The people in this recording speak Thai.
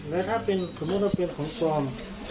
และถ้าเป็นสมมุติว่าเป็นของปลอม